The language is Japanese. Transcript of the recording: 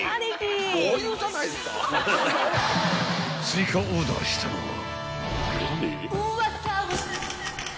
［追加オーダーしたのは］